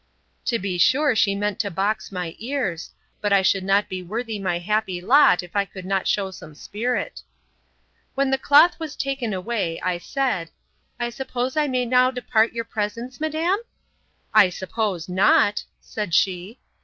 To be sure she meant to box my ears. But I should not be worthy my happy lot if I could not shew some spirit. When the cloth was taken away, I said, I suppose I may now depart your presence, madam? I suppose not, said she.